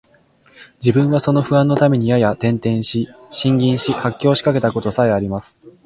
自分はその不安のために夜々、転輾し、呻吟し、発狂しかけた事さえあります